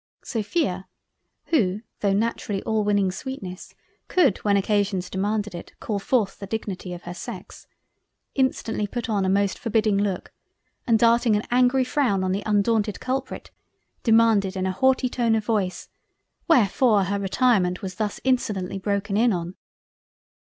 Sophia (who though naturally all winning sweetness could when occasions demanded it call forth the Dignity of her sex) instantly put on a most forbidding look, and darting an angry frown on the undaunted culprit, demanded in a haughty tone of voice "Wherefore her retirement was thus insolently broken in on?"